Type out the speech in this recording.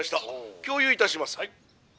共有いたします」。